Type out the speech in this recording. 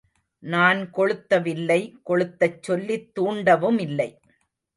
நான் கொளுத்தவில்லை கொளுத்தச் சொல்லித் தூண்டவுமில்லை.